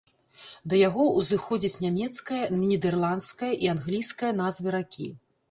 Да яго ўзыходзяць нямецкая, нідэрландская і англійская назвы ракі.